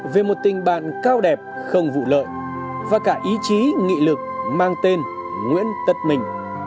về một tình bạn cao đẹp không vụ lợi và cả ý chí nghị lực mang tên nguyễn tật mình